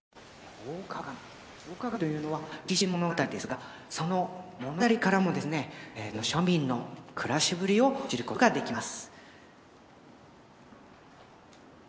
大鏡大鏡というのは歴史物語ですがその物語からもですねえ当時の庶民の暮らしぶりを知ることができます。